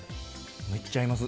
めっちゃ合います。